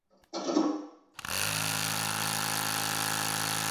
戟叶桑为桑科桑属下的一个变种。